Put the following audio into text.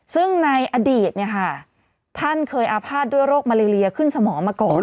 ซึ่งในอดีตท่านเคยอาภาษณ์ด้วยโรคมาเลเลียขึ้นสมองมาก่อน